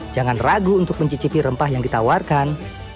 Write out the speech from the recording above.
jangan ragu untuk mencicipi rempah yang ditawarkan